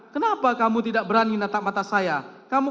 kenapa kamu tidak berani menatap mata saya